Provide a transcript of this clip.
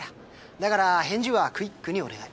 だから返事はクイックにお願い。